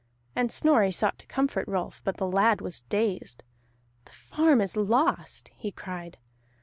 And Snorri sought to comfort Rolf, but the lad was dazed. "The farm is lost!" he cried.